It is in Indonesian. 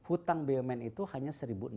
utang bumn itu hanya satu enam ratus